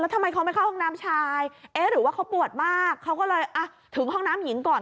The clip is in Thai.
ทำไมเขาไม่เข้าห้องน้ำชายเอ๊ะหรือว่าเขาปวดมากเขาก็เลยอ่ะถึงห้องน้ำหญิงก่อน